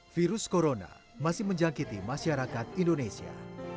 virus corona masih menjangkiti masyarakat indonesia